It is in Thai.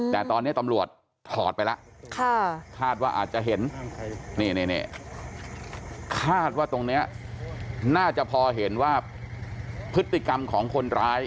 แต่ตอนนี้ตำรวจถอดไปแล้วคาดว่าอาจจะเห็นคาดว่าตรงนี้น่าจะพอเห็นว่าพฤติกรรมของคนร้าย